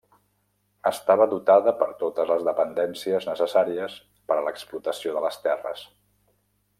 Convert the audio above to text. Estava dotada per totes les dependències necessàries per a l'explotació de les terres.